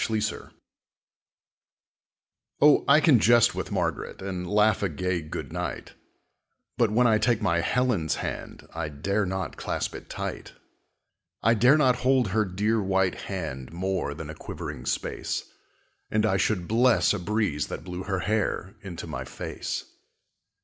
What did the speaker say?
Love's Fashion Oh, I can jest with Margaret And laugh a gay good night, But when I take my Helen's hand I dare not clasp it tight. I dare not hold her dear white hand More than a quivering space, And I should bless a breeze that blew Her hair into my face.